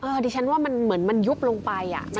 เอ่อดิฉันว่ามันเหมือนมันยุบลงไปอ่ะใช่